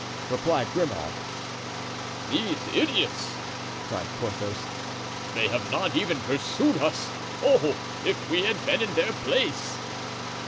replied Grimaud. "Those idiots!" cried Porthos, "they have not even pursued us. Oh! if we had been in their place!"